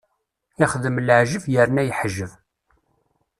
Ixdem laɛǧeb yerna yeḥjeb.